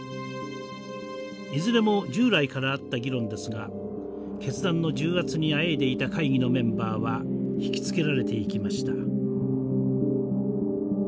いずれも従来からあった議論ですが決断の重圧にあえいでいた会議のメンバーは引き付けられていきました。